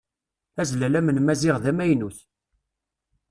Azlalam n Maziɣ d amaynut.